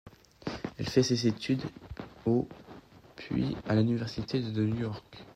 Elle fait ses études au puis à l'université de New York.